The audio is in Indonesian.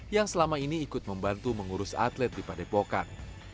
yang selama ini ikut membantu mengurus atlet di padepokan